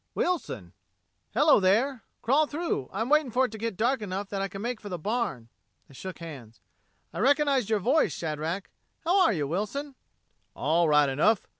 "Wilson." "Hello, there. Crawl through. I'm waiting for it to get dark enough so that I can make the barn." They shook hands. "I recognized your voice, Shadrack. How are you, Wilson?" "All right enough.